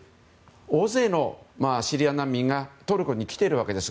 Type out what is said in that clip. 大勢のシリア難民がトルコに来ているわけです。